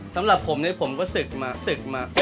สำหรับผมเนี่ยผมก็ฝึกมา